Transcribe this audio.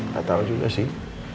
gak tau juga sih